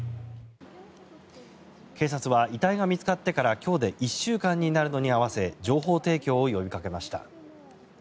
警察は遺体が見つかってから今日で１週間になるのに合わせ情報提供を呼びかけました。